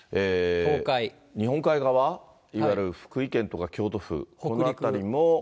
日本海側、いわゆる福井県とか京都府、この辺りも。